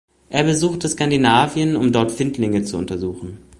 Er besuchte Skandinavien, um dort Findlinge zu untersuchen.